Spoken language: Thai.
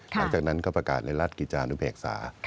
หลังจากนั้นก็ประกาศในราชกิจจานุเบกษา